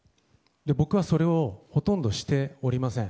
僕はそれをほとんどしておりません。